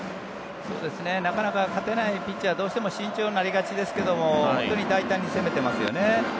なかなか勝てないピッチャーどうしても慎重になりがちですけど本当に大胆に攻めていますよね。